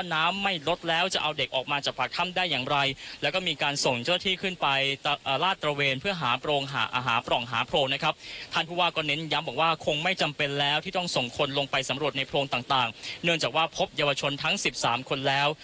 เนื่องจากว่าพบเยาวชนทั้ง๑๓คนแล้ว